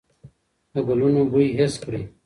د ګلونو بوی حس کړئ.